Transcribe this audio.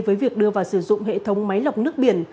với việc đưa vào sử dụng hệ thống máy lọc nước biển